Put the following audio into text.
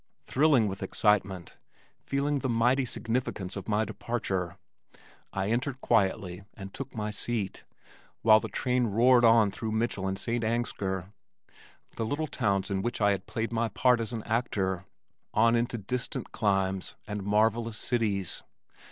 Thrilling with excitement, feeling the mighty significance of my departure, I entered quietly and took my seat, while the train roared on through Mitchell and St. Ansgar, the little towns in which I had played my part as an actor, on into distant climes and marvellous cities.